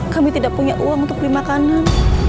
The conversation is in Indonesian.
kami tidak punya uang untuk beli makanan